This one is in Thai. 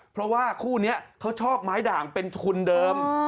เพราะว่าคู่นี้เขาชอบไม้ด่างเป็นทุนเดิม